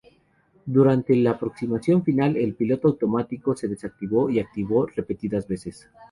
Durante la aproximación final, el piloto automático se desactivó y activó repetidas veces.